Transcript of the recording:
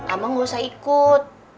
abang gak usah ikut